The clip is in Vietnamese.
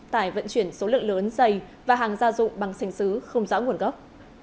tải vận chuyển số lượng lớn dày và hàng gia dụng bằng sành xứ không rõ nguồn gốc